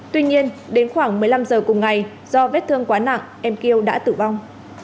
tuy nhiên đến khoảng một mươi năm giờ cùng ngày do vết thương quá nặng em kêu đã tử vong